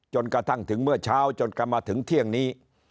จนกระทั่งถึงเมื่อเช้าจนกลับมาถึงเที่ยงนี้